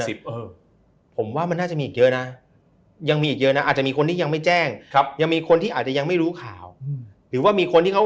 คิดว่าเคสนี่มีอีกเยอะไหมครับ